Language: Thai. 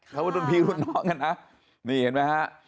เขาเป็นพี่รุ่นน้องกันนะนี่เห็นมั้ยฮะ